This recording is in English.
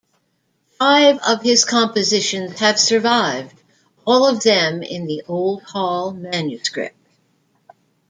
Five of his compositions have survived, all of them in the Old Hall Manuscript.